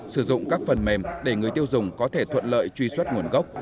sử dụng các phần mềm để người tiêu dùng có thể thuận lợi truy xuất nguồn gốc